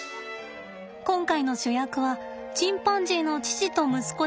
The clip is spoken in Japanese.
今回の主役はチンパンジーの父と息子です。